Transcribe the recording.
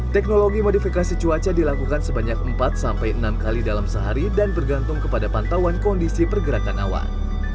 teknologi modifikasi cuaca dilakukan sebanyak empat sampai enam kali dalam sehari dan bergantung kepada pantauan kondisi pergerakan awan